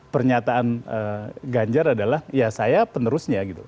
pernyataan ganjar adalah ya saya penerusnya gitu